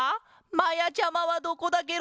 まやちゃまはどこだケロ！